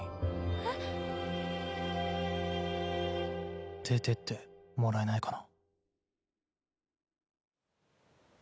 えっ？出てってもらえないかな。